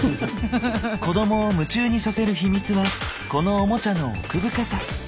子どもを夢中にさせる秘密はこのオモチャの奥深さ。